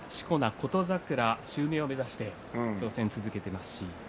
琴櫻襲名を目指して挑戦を続けています。